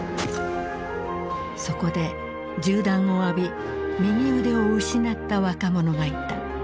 そこで銃弾を浴び右腕を失った若者がいた。